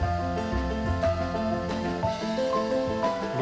kepala kota patanjau